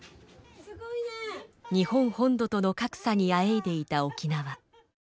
日本本土との格差にあえいでいた沖縄。